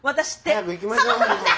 早く行きましょう。